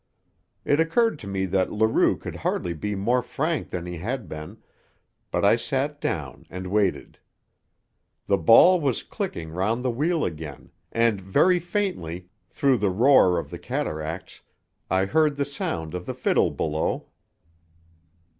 It occurred to me that Leroux could hardly be more frank than he had been, but I sat down and waited. The ball was clicking round the wheel again, and very faintly, through the roar of the cataracts, I heard the sound of the fiddle below.